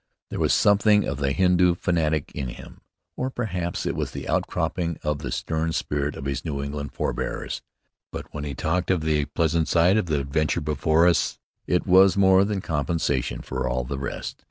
There was something of the Hindoo fanatic in him; or perhaps it was the outcropping of the stern spirit of his New England forbears. But when he talked of the pleasant side of the adventures before us, it was more than compensation for all the rest.